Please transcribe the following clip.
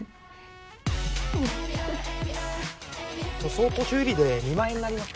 塗装と修理で２万円になります。